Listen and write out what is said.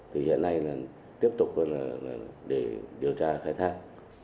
từ giờ này tiếp tục để điều tra khai thác